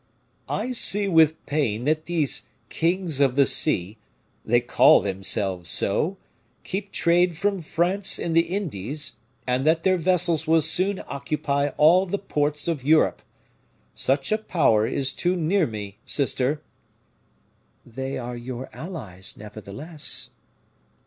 "I see with pain that these kings of the sea they call themselves so keep trade from France in the Indies, and that their vessels will soon occupy all the ports of Europe. Such a power is too near me, sister." "They are your allies, nevertheless."